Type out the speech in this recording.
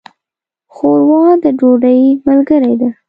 ښوروا د ډوډۍ ملګرې ده.